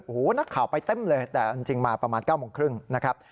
โอ้โหนักข่าวไปเต็มเลยแต่จริงมาประมาณ๙โมงครึ่งนะครับ